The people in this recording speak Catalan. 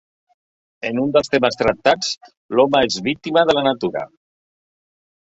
En un dels temes tractats l'home és víctima de la natura.